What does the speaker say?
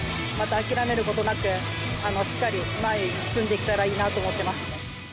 諦めることなくしっかり前に進んでいけたらなと思っています。